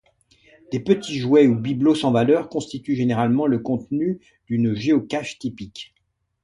Des petits jouets ou bibelots sans valeur constituent généralement le contenu d'une géocache typique.